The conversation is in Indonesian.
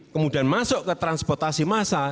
kemudian masuk ke transportasi massa